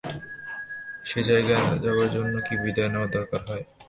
সে জায়গায় যাবার জন্য কি বিদায় নেবার দরকার হয়।